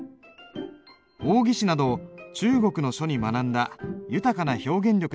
王羲之など中国の書に学んだ豊かな表現力で書かれています。